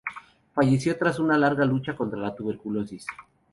Falleció tras una larga lucha contra la tuberculosis.